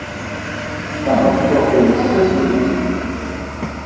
Tameṭṭut-nnes d taswidit.